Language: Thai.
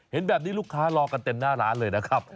เห็นแบบนี้ลูกค้ารอกันเต็มหน้าร้านเลยนะครับ